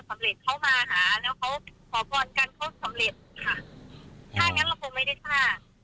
แล้วเขาขอพรกันเข้าสำเร็จค่ะถ้าอย่างงั้นเราคงไม่ได้ท่า